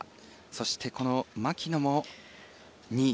そして、牧野も２位。